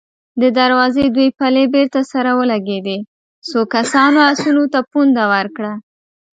د دروازې دوې پلې بېرته سره ولګېدې، څو کسانو آسونو ته پونده ورکړه.